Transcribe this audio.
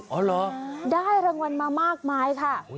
อ๋อหรอได้รางวัลมากค่ะ